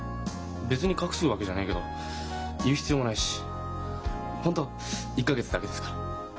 別に隠すわけじゃねえけど言う必要もないし本当１か月だけですから。